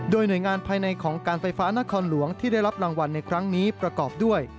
โดยหน่วยงานภายในของการไฟฟ้านครหลวงที่ได้รับรางวัลในครั้งนี้ประกอบด้วย